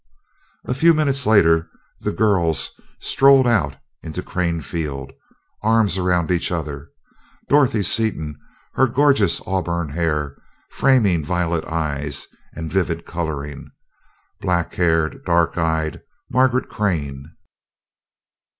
A few minutes later the "girls" strolled out into Crane Field, arms around each other Dorothy Seaton, her gorgeous auburn hair framing violet eyes and vivid coloring; black haired, dark eyed Margaret Crane.